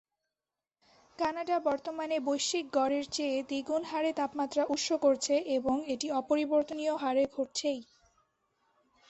Canada বর্তমানে বৈশ্বিক গড়ের চেয়ে দ্বিগুণ হারে তাপমাত্রা উষ্ণ করছে এবং এটি অপরিবর্তনীয় হারে ঘটছেই।